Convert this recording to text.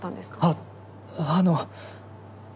あっあの！